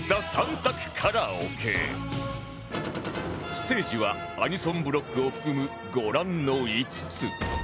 ステージはアニソンブロックを含むご覧の５つ